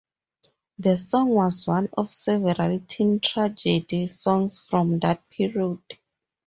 The song was one of several teen tragedy songs from that period.